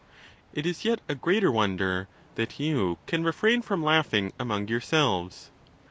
It is yet a greater wonder that you can refrain from laughing among yourselves.